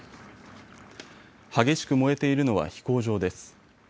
激しく燃えているのは飛行場です。